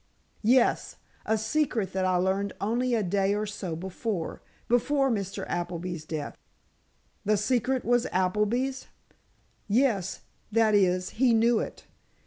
"Yes, a secret that I learned only a day or so before—before Mr. Appleby's death." "The secret was Appleby's?" "Yes; that is, he knew it.